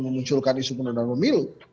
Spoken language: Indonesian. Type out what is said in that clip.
memunculkan isu penundaan pemilu